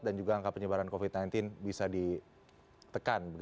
dan juga angka penyebaran covid sembilan belas bisa ditekan